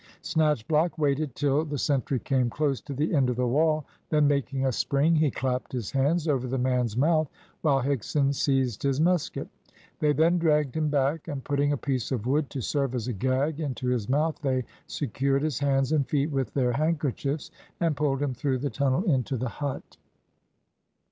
Snatchblock waited till the sentry came close to the end of the wall, then, making a spring, he clapped his hands over the man's mouth, while Higson seized his musket. They then dragged him back, and, putting a piece of wood, to serve as a gag, into his mouth, they secured his hands and feet with their handkerchiefs, and pulled him through the tunnel into the hut.